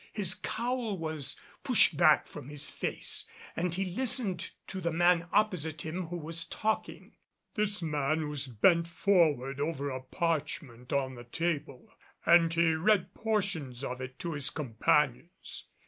His cowl was pushed back from his face and he listened to the man opposite him, who was talking. This man was bent forward over a parchment on the table and he read portions of it to his companions.